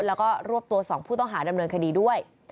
แล้วก็รวบตัว๒ผู้ต้องหาดำเนินคดีด้วย